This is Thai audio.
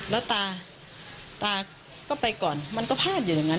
แล้วตาตาก็ไปก่อนมันก็พลาดอยู่อย่างนั้น